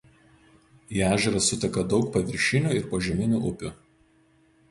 Į ežerą suteka daug paviršinių ir požeminių upių.